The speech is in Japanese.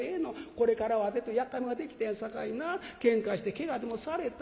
これからはわてというやっかいもんができたんやさかいなけんかしてけがでもされたら」。